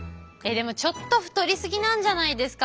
でもちょっと太り過ぎなんじゃないですか？